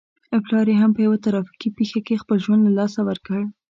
پلار يې هم په يوه ترافيکي پېښه کې خپل ژوند له لاسه ور کړ.